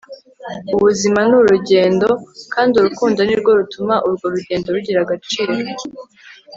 ubuzima ni urugendo, kandi urukundo nirwo rutuma urwo rugendo rugira agaciro